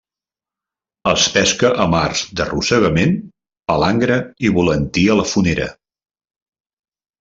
Es pesca amb arts d'arrossegament, palangre i volantí a la fonera.